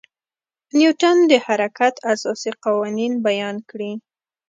نیوټن د حرکت اساسي قوانین بیان کړي.